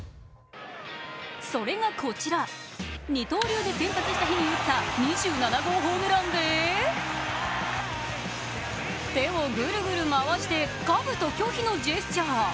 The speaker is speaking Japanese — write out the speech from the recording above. それがこちら、二刀流で先発した日に打った２７号ホームランで、手をぐるぐる回してかぶと拒否のジェスチャー。